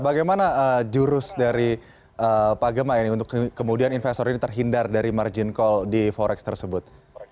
bagaimana jurus dari pak gemma ini untuk kemudian investor ini terhindar dari margin call di forex tersebut